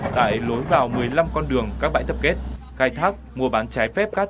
tại lối vào một mươi năm con đường các bãi tập kết khai thác mua bán trái phép các